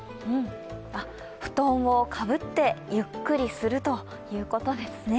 布団をかぶって、ゆっくりするということですね。